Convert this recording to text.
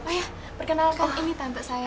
ayo perkenalkan ini tante saya